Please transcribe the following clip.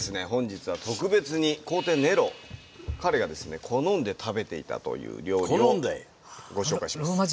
本日は特別に皇帝ネロ彼がですね好んで食べていたという料理をご紹介します。